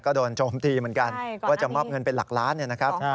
ก็โดนโจมตีเหมือนกันว่าจะมอบเงินเป็นหลักล้านเนี่ยนะครับ